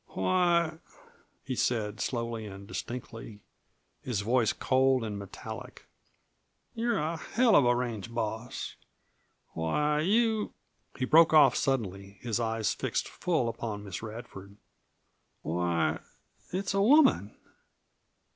"Why," he said slowly and distinctly, his voice cold and metallic, "you're a hell of a range boss! Why you !" he broke off suddenly, his eyes fixed full upon Miss Radford. "Why, it's a woman!